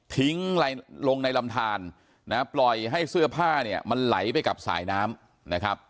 ลงในลำทานนะปล่อยให้เสื้อผ้าเนี่ยมันไหลไปกับสายน้ำนะครับ